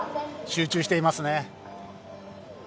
集中していますね。